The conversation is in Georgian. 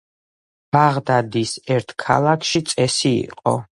ბაღდადის ერთ ქალაქში წესი იყო